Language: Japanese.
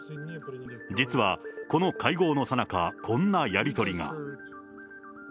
実はこの会合のさなか、こんなやり取りが。